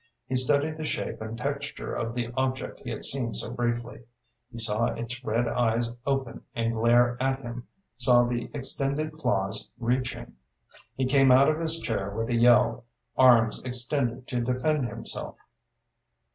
He studied the shape and texture of the object he had seen so briefly. He saw its red eyes open and glare at him, saw the extended claws reaching.... He came out of his chair with a yell, arms extended to defend himself.